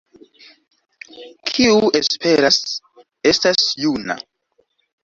Kiu esperas, estas juna.